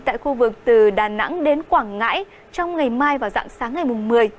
tại khu vực từ đà nẵng đến quảng ngãi trong ngày mai và dạng sáng ngày mùng một mươi